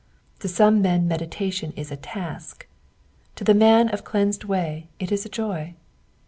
To some men meditation is a task ; to the man of cleansed way it is a joy.